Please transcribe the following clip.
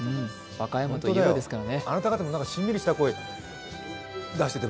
あなた方もしんみりした声出してて。